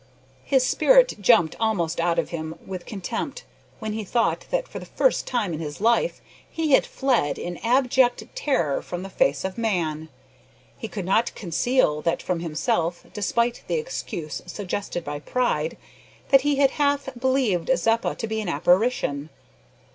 His spirit jumped almost out of him with contempt, when he thought that for the first time in his life, he had fled in abject terror from the face of man! He could not conceal that from himself, despite the excuse suggested by pride that he had half believed Zeppa to be an apparition.